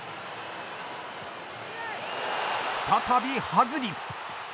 再び、ハズリ。